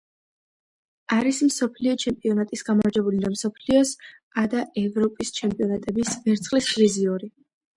არის მსოფლიო ჩემპიონატის გამარჯვებული და მსოფლიოს ადა ევროპის ჩემპიონატების ვერცხლის პრიზიორი.